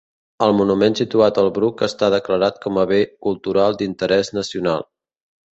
El monument situat al Bruc està declarat com a Bé Cultural d'Interès Nacional.